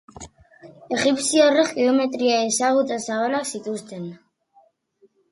Egipziarrek geometria ezagutza zabalak zituzten.